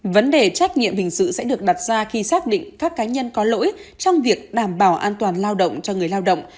vấn đề trách nhiệm hình sự sẽ được đặt ra khi xác định các cá nhân có lỗi trong việc đảm bảo an toàn lao động cho người lao động